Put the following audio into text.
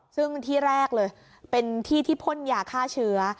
ซึ่งที่แรกเลยเป็นที่ที่พ่นยาฆ่าเชื้อ